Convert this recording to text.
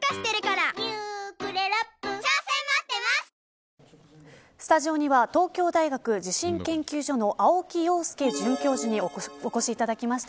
トーンアップ出たスタジオには東京大学地震研究所の青木陽介准教授にお越しいただきました。